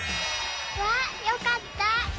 わあよかった。